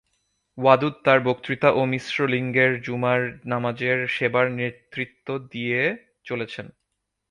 ওয়াদুদ তার বক্তৃতা ও মিশ্র লিঙ্গের জুমার নামাজের সেবার নেতৃত্ব দিয়ে চলেছেন।